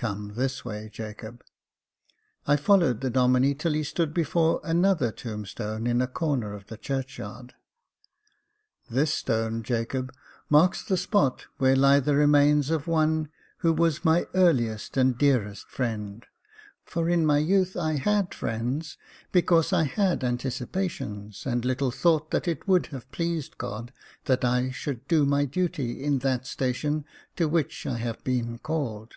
Come this way, Jacob." I followed the Domine till he stood before another tombstone in a corner of the churchyard. " This stone, Jacob, marks the spot where lie the remains of one who was my earliest and dearest friend — for in my youth I had friends, because I had anticipations, and little thought that it would have pleased God that I should do my duty in that station to which I have been called.